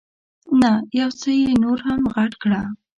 نه، یو څه یې نور هم غټ کړه.